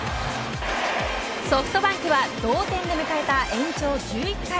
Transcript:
ソフトバンクは同点で迎えた延長１１回。